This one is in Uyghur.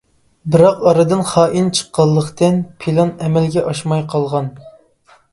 بىراق ئارىدىن خائىن چىققانلىقتىن پىلان ئەمەلگە ئاشماي قالغان.